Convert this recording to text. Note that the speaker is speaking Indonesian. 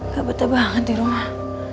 gak betah banget di rumah